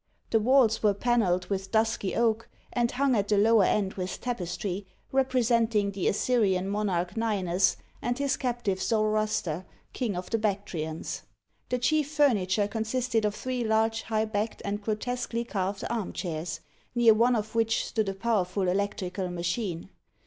The walls were panelled with dusky oak, and hung at the lower end with tapestry, representing the Assyrian monarch Ninus, and his captive Zoroaster, King of the Bactrians. The chief furniture consisted of three large high backed and grotesquely carved arm chairs, near one of which stood a powerful electrical machine.